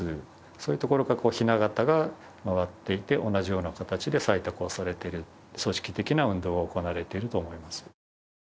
そういうところからひな型が回っていて同じような形で採択が行われている、組織的な運動が行われていると思います。